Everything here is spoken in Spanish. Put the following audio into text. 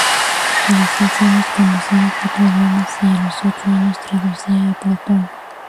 A los seis años conocía cuatro idiomas y a los ocho traducía a Platón.